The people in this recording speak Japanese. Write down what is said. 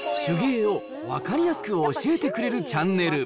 手芸を分かりやすく教えてくれるチャンネル。